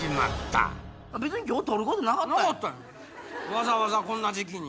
わざわざこんな時期に。